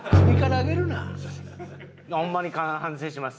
ホンマに反省します。